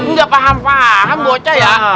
nggak paham paham bocah ya